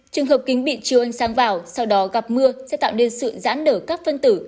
trường hợp kính bị chiều ánh sáng vào sau đó gặp mưa sẽ tạo nên sự giãn nở các phân tử